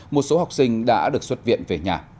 một số học sinh đã được xuất viện về nhà